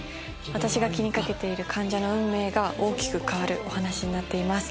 私が気に掛けている患者の運命が大きく変わるお話になっています。